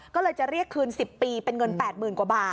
ก็เลยจะเรียกคืน๑๐ปีเป็นเงิน๘๐๐๐กว่าบาท